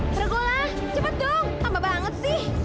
pergola cepet dong tambah banget sih